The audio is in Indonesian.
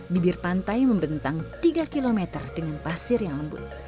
bibir pantai membentang tiga km dengan pasir yang lembut